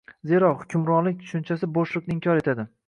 Zero, «hukmronlik» tushunchasi bo‘shliqni inkor etadi